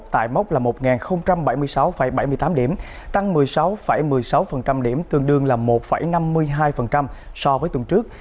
tại mốc là một bảy mươi sáu bảy mươi tám điểm tăng một mươi sáu một mươi sáu điểm tương đương là một năm mươi hai so với tuần trước